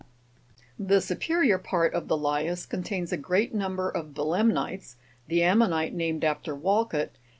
The superior part of the lias contains a great number of belemnites, (Jigs. 76, 77), the ammonite named after Walcot, (fig.